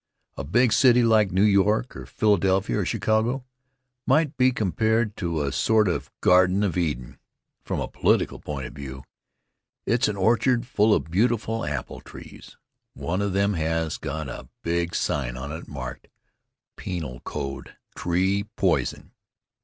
A big city like New York or Philadelphia or Chicago might be compared to a sort of Garden of Eden, from a political point of view. It's an orchard full of beautiful apple trees. One of them has got a big sign on it, marked: "Penal Code Tree Poison."